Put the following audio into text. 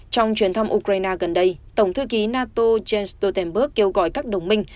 trong chuyến thăm ukraine gần đây tổng thư ký nato jens stoltenberg kêu gọi các đồng minh